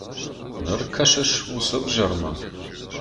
Ныр кӕсыс уыцы ӕвзӕрмӕ!